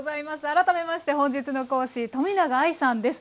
改めまして本日の講師冨永愛さんです。